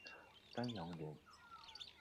丹阳人。